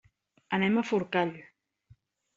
Anem a Forcall.